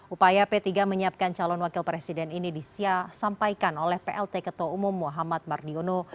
upaya p tiga menyiapkan calon wakil presiden ini disia sampaikan oleh plt ketua umum muhammad mardiono